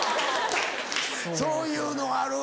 そういうのある。